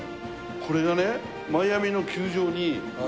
これがね。